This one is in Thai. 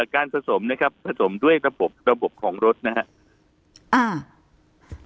การผสมนะครับผสมด้วยระบบระบบของรถนะครับ